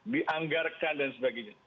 dianggarkan dan sebagainya